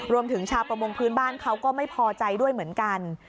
รวมถึงชาวประมงพื้นบ้านเขาก็ไม่พอใจด้วยเหมือนกัน